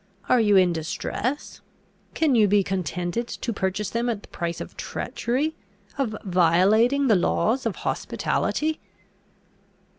Are you in distress? Can you be contented to purchase them at the price of treachery of violating the laws of hospitality?"